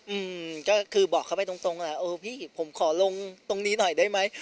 อืมก็คือบอกเขาไปตรงตรงแหละเออพี่ผมขอลงตรงนี้หน่อยได้ไหม